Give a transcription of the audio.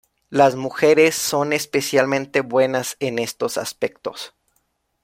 Las mujeres son especialmente buenas en estos aspectos.